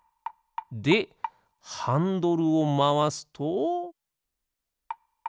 でハンドルをまわすと。